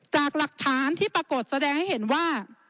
จากหลักฐานที่ปรากฏแสดงให้เห็นว่า